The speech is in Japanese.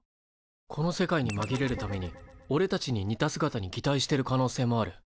この世界にまぎれるためにおれたちに似た姿にぎたいしてる可能性もある。